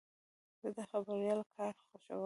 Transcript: زه د خبریال کار خوښوم.